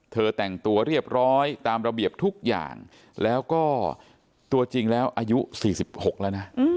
แต่งตัวเรียบร้อยตามระเบียบทุกอย่างแล้วก็ตัวจริงแล้วอายุ๔๖แล้วนะ